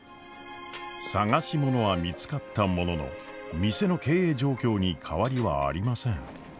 捜し物は見つかったものの店の経営状況に変わりはありません。